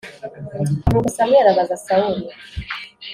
nuko samweli abaza sawuli